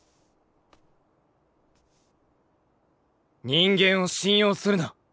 人間を信用するな。